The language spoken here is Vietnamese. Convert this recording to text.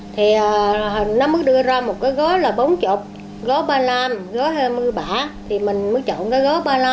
thì nó mới đưa ra một cái gó là bốn mươi gó ba mươi năm gó hai mươi ba thì mình mới chọn cái gó ba mươi năm